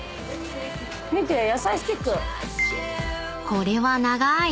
［これは長い！］